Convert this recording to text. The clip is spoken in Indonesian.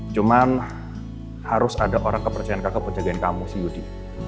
cuman harus ada orang kepercayaan kakak pencegahan kamu si yudi